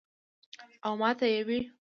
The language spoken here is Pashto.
او ماته ئې وې ـ "